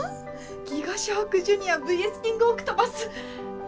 「ギガ・シャークジュニアＶＳキング・オクトパス」